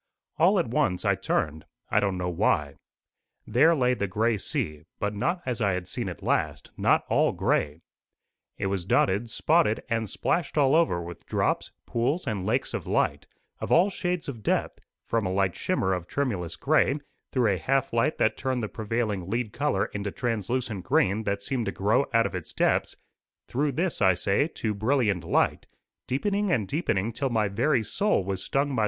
All at once I turned I don't know why. There lay the gray sea, but not as I had seen it last, not all gray. It was dotted, spotted, and splashed all over with drops, pools, and lakes of light, of all shades of depth, from a light shimmer of tremulous gray, through a half light that turned the prevailing lead colour into translucent green that seemed to grow out of its depths through this, I say, to brilliant light, deepening and deepening till my very soul was stung by the triumph of the intensity of its molten silver.